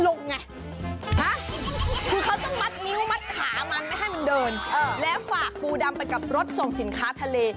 แล้วฝากปูดำไปกับรถส่งสินค้าทะเล